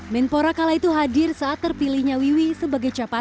menpora kala itu hadir saat terpilihnya wiwi sebagai capres